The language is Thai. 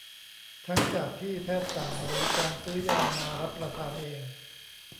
ทั้งจากที่แพทย์สั่งหรือการซื้อยามารับประทานเอง